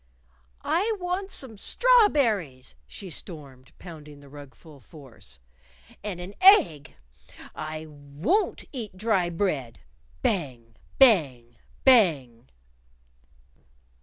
"I want some strawberries," she stormed, pounding the rug full force. "And an egg. I won't eat dry bread!" Bang! Bang! Bang!